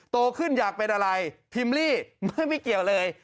โตขึ้นอยากเป็นอะไรพิมพ์ลี่ไม่เกี่ยวเลย